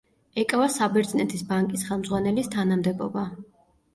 ეკავა საბერძნეთის ბანკის ხელმძღვანელის თანამდებობა.